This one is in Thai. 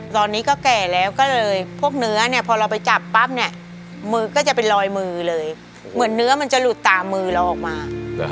ตอนนี้ก็แก่แล้วก็เลยพวกเนื้อเนี่ยพอเราไปจับปั๊บเนี่ยมือก็จะเป็นรอยมือเลยเหมือนเนื้อมันจะหลุดตามมือเราออกมา